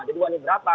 jadi wani berapa